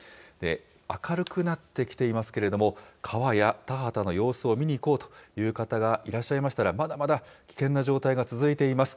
明るくなってきていますけれども、川や田畑の様子を見に行こうという方がいらっしゃいましたら、まだまだ危険な状態が続いています。